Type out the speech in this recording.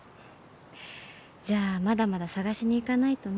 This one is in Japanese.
じゃあまだまだ探しに行かないとね。